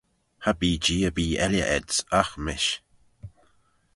Cha bee Jee erbee elley ayds agh mish.